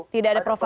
tidak ada profil ya